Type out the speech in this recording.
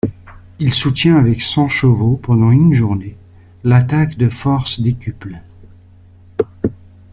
Il soutient avec cent chevaux, pendant une journée, l'attaque de forces décuples.